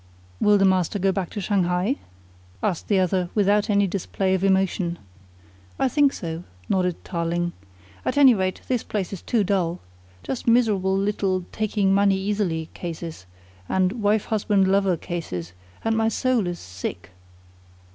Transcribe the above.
"Will the master go back to Shanghai?" asked the other, without any display of emotion. "I think so," nodded Tarling. "At any rate, this place is too dull. Just miserable little taking money easily cases, and wife husband lover cases and my soul is sick."